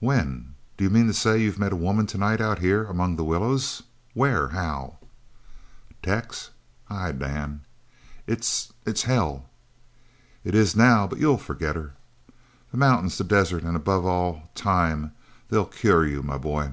"When? Do you mean to say you've met a woman tonight out here among the willows? Where how " "Tex !" "Ay, Dan." "It's it's hell!" "It is now. But you'll forget her! The mountains, the desert, and above all, time they'll cure you, my boy."